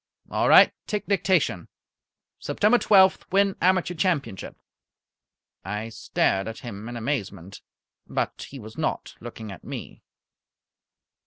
"All right, take dictation. September twelfth win Amateur Championship." I stared at him in amazement, but he was not looking at me.